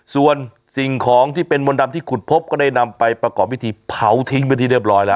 ส่วนสิ่งของที่เป็นมนต์ดำที่ขุดพบก็ได้นำไปประกอบพิธีเผาทิ้งเป็นที่เรียบร้อยแล้ว